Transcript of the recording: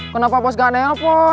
kenapa bos gak ada hp